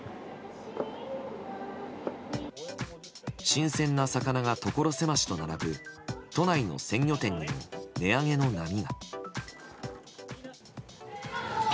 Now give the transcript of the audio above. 新鮮な魚がところ狭しと並ぶ都内の鮮魚店にも値上げの波が。